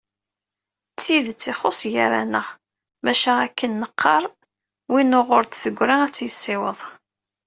D tidet, ixuṣ gar-aneɣ, maca akken neqqar, win uɣur i d-teggra ad tt-yessiweḍ.